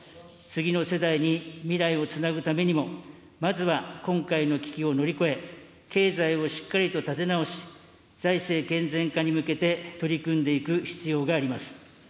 次の世代に未来をつなぐためにも、まずは今回の危機を乗り越え、経済をしっかりと立て直し、財政健全化に向けて取り組んでいく必要があります。